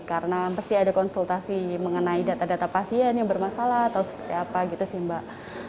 karena pasti ada konsultasi mengenai data data pasien yang bermasalah atau seperti apa gitu sih mbak